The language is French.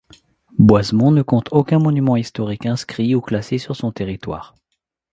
Boisemont ne compte aucun monument historique inscrit ou classé sur son territoire.